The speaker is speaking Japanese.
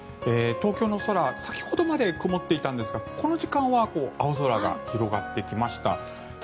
東京の空先ほどまで曇っていたんですがこの時間は青空が広がってきました。